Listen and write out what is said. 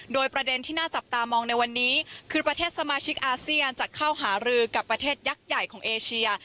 โดยประเด็นที่น่าจับตามองในวันนี้คือประเทศสมาชิกอาเซียนจะเข้าหารือกับประเทศยักษ์ใหญ่ของเอเชีย